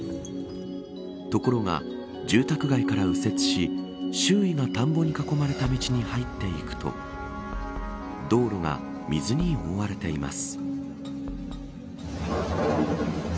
ところが、住宅街から右折し周囲が田んぼに囲まれた道に入っていくと道路が水に覆われています。